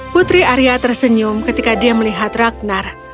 putri arya tersenyum ketika dia melihat ragnar